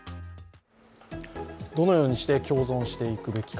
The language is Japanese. どのようにして共存していくべきか。